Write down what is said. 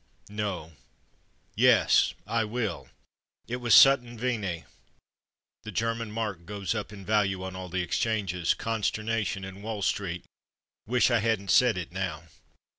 ^ No — yes, I will. It was Sutton Veney ! (The German mark goes up in value on all the exchanges — consternation in Wall Street — ^wish I hadn't said it now.)